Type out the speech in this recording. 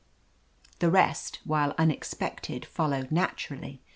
The rest, while unexpected, followed natu rally.